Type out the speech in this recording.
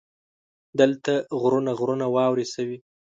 دلته غرونه غرونه واورې شوي.